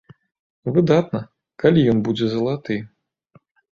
Выдатна, калі ён будзе залаты.